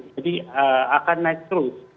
jadi akan naik terus